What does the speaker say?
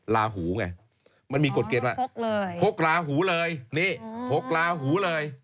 ลาหูไงมันมีกฎเกณฑ์ว่า๖ลาหูเลยนี่๖ลาหูเลย